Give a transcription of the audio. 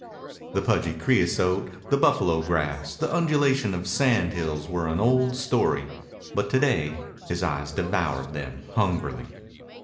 The pudgy creosote, the buffalo grass, the undulation of sand hills were an old story, but to day his eyes devoured them hungrily.